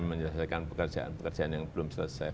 saya merasa pekerjaan pekerjaan yang belum selesai